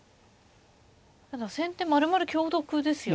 ただ先手まるまる香得ですよね。